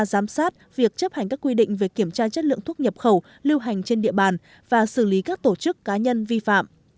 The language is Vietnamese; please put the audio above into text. giám sát việc chấp hành các quy định về kiểm tra chất lượng thuốc nhập khẩu lưu hành trên địa bàn và xử lý các tổ chức cá nhân vi phạm